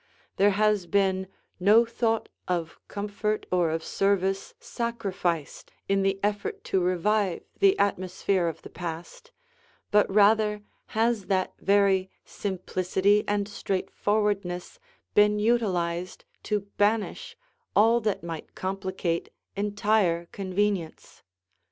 There has been no thought of comfort or of service sacrificed in the effort to revive the atmosphere of the past, but rather has that very simplicity and straight forwardness been utilized to banish all that might complicate entire convenience.